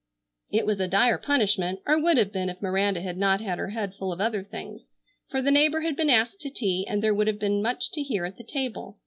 It was a dire punishment, or would have been if Miranda had not had her head full of other things, for the neighbor had been asked to tea and there would have been much to hear at the table.